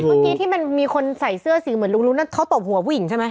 เมื่อกี้ที่มันมีคนใส่เสื้อสีเหมือนลุงนั่นเขาตบหัวผู้หญิงใช่ไหม